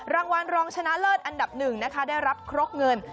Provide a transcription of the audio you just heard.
รางวัลรองชนะเลิศอันดับ๑นะคะได้รับครกเงิน